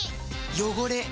汚れ。